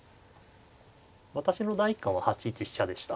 私の第一感は８一飛車でした。